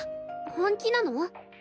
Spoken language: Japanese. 本気なの？